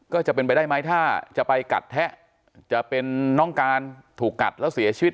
ก็จะเป็นไปได้ไหมถ้าจะไปกัดแทะจะเป็นน้องการถูกกัดแล้วเสียชีวิต